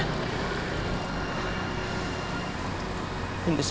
semua sulit dipercaya